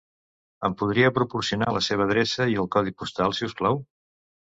Em podria proporcionar la seva adreça i el codi postal, si us plau?